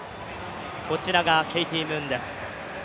こちらがケイティ・ムーンです。